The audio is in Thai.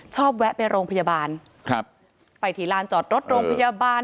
แวะไปโรงพยาบาลครับไปที่ลานจอดรถโรงพยาบาล